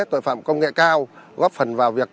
tội phạm công nghệ cao góp phần vào việc